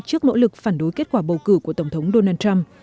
trước nỗ lực phản đối kết quả bầu cử của tổng thống donald trump